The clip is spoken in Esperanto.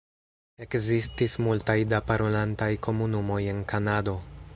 Ekzistis multaj da parolantaj komunumoj en Kanado.